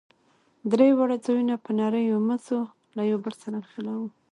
درې واړه ځايونه په نريو مزو له يو بل سره نښلوو.